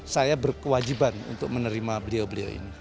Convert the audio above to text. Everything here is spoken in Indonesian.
saya berkewajiban untuk menerima beliau beliau ini